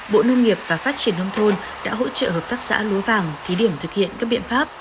bộ nông nghiệp và phát triển nông thôn đã hỗ trợ hợp tác xã lúa vàng thí điểm thực hiện các biện pháp